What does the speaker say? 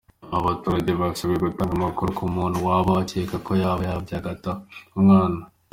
Abaturage basabwe gutanga amakuru ku muntu baba bakeka ko yaba yabyaye agata umwana.